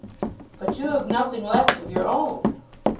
"But you have nothing left of your own."